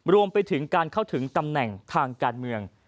รวมไปถึงการเข้าถึงตำแหน่งทางการเมือง